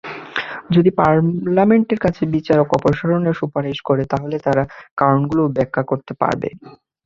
যদি পার্লামেন্টের কাছে বিচারক অপসারণের সুপারিশ করে, তাহলে তারা কারণগুলোও ব্যাখ্যা করবে।